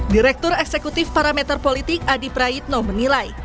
direktur eksekutif parameter politik adi praitno menilai